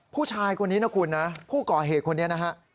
ผู้ชายคนนี้นะคุณนะผู้ก่อเหตุคนนี้นะฮะ